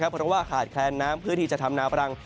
เพราะว่าขาดแคลนน้ำเพื่อที่จะทำนาปรัง